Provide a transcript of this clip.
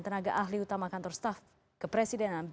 tenaga ahli utama kantor staff kepresidenan